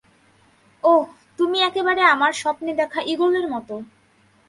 ওহ, তুমি একেবারে আমার স্বপ্নে দেখা ঈগলের মতো।